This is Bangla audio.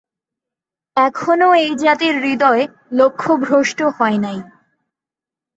এখনও এই জাতির হৃদয় লক্ষ্যভ্রষ্ট হয় নাই।